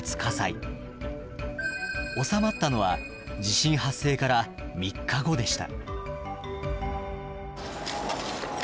収まったのは地震発生から３日後でした。